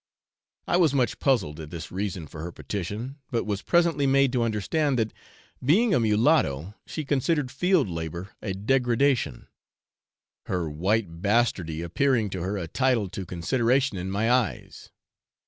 I was much puzzled at this reason for her petition, but was presently made to understand that being a mulatto, she considered field labour a degradation; her white bastardy appearing to her a title to consideration in my eyes.